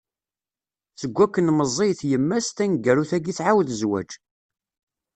Seg wakken meẓẓiyet yemma-s, taneggarut-agi tɛawed zzwaǧ.